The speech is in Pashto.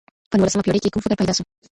په نولسمه پېړۍ کي کوم فکر پيدا سو؟